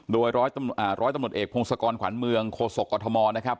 โดยร้อยตำรวจเอกพงศกรขวัญเมืองโคศกกรทมนะครับ